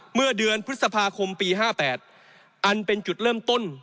เมื่อเดือนพฤษภาคมปี๕๘อันเป็นจุดเริ่มต้น